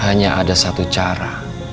hanya ada satu cara